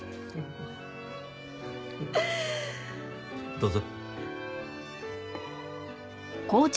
どうぞ。